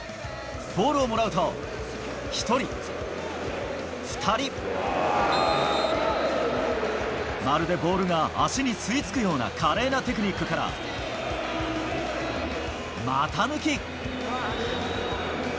ボールをもらうと、１人、２人、まるでボールが足に吸い付くような華麗なテクニックから、股抜き。